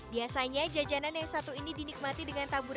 biasanya jajanan yang satu ini dinikmati dengan taburan